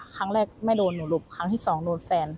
ครั้งแรกไม่โดนหนูหลบครั้งที่สองโดนแฟน